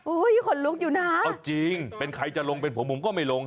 ขนลุกอยู่นะเอาจริงเป็นใครจะลงเป็นผมผมก็ไม่ลง